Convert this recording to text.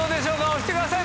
押してください。